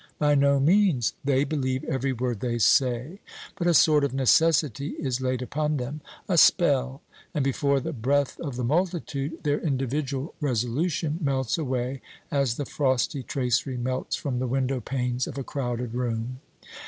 By no means they believe every word they say; but a sort of necessity is laid upon them a spell; and before the breath of the multitude their individual resolution melts away as the frosty tracery melts from the window panes of a crowded room.